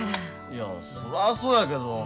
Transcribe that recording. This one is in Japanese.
いやそらそうやけど。